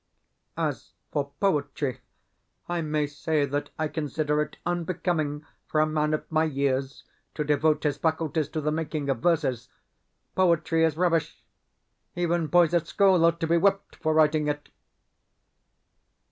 As for poetry, I may say that I consider it unbecoming for a man of my years to devote his faculties to the making of verses. Poetry is rubbish. Even boys at school ought to be whipped for writing it.